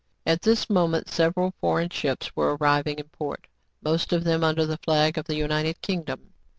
At this moment several foreign ships were arriving in port, most of them under the flag of the United Kingdom.